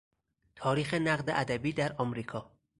تاریخ نقد ادبی در امریکا